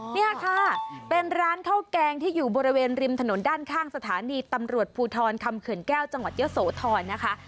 นี่ค่ะเป็นร้านข้าวแกงที่อยู่บริเวณริมถนนด้านข้างสถานีตำรวจภูทรคำเขื่อนแก้วจังหวัดเยอะโสธรนะคะ